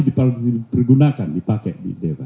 dipakai digunakan dipakai di dewa